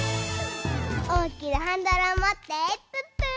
おおきなハンドルをもってプップー！